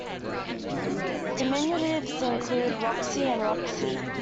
Diminutives include "Roxie" and "Roxy".